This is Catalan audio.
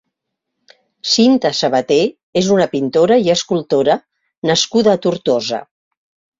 Cinta Sabaté és una pintora i escultora nascuda a Tortosa.